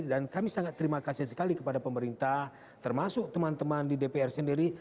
dan kami sangat terima kasih sekali kepada pemerintah termasuk teman teman di dpr sendiri